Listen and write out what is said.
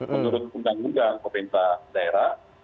menurut undang undang pemerintah daerah